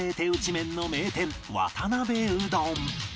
麺の名店渡辺うどん